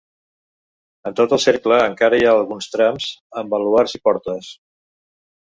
En tot el cercle encara hi ha alguns trams, amb baluards i portes.